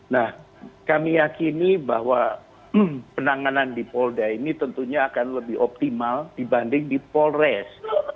nah kami yakini bahwa penanganan di polda ini tentunya akan lebih optimal dibanding di polres